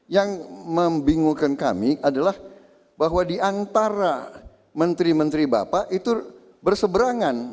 yang membingungkan kami adalah bahwa diantara menteri menteri bapak itu berseberangan